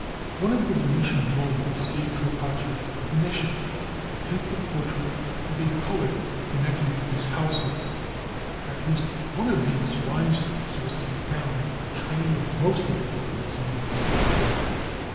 One of the Venetian nobles gave Carpaccio a commission to paint the portrait of a poet connected with his household. At least one of these rhymesters was to be found in the train of most of the nobles in those times.